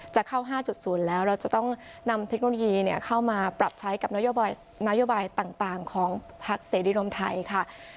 จะเข้า๕๐แล้วเราจะต้องนำเทคโนโลยีเข้ามาปรับใช้กับนโยบายต่างของพักเสรีรวมไทยค่ะ